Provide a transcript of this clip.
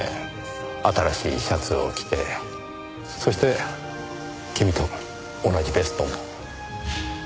新しいシャツを着てそして君と同じベストも。